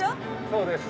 そうです。